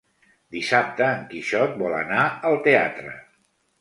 Dissabte en Quixot vol anar al teatre.